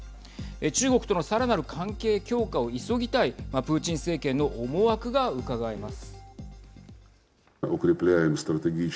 中国とのさらなる関係強化を急ぎたいプーチン政権の思惑がうかがえます。